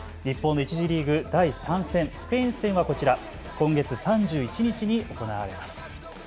日本の１次リーグ第３戦スペイン戦はこちら、今月３１日に行われます。